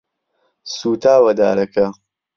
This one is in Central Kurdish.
سوتاوە دارەکە.